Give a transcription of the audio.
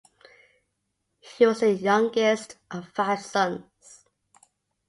He was the youngest of five sons.